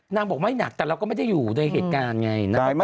บอกไม่หนักแต่เราก็ไม่ได้อยู่ในเหตุการณ์ไง